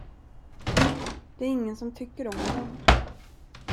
Det är ingen som tycker om dom.